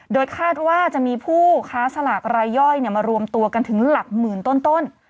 โดยคาดว่าจะมีผู้ค้าสลากรายย่อยมารวมตัวกันถึงหลักหมื่นต้น